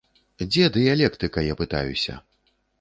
Дзе дыялектыка, я пытаюся?